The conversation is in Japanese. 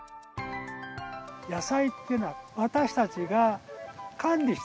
野菜っていうのは私たちが管理してあげる。